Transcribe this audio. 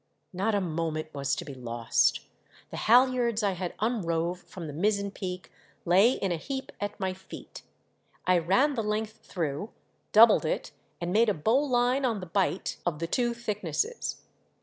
Not a moment was to be lost; the halliards I had unrove from the mizzen peak lay in a heap at my feet. I ran the length through, doubled it, and made a bowline on the bight of the two thicknesses.